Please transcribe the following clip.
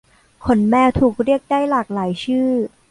ขนแมวถูกเรียกได้หลากหลายชื่อ